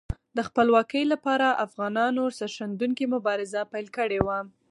د خپلواکۍ لپاره افغانانو سرښندونکې مبارزه پیل کړې وه.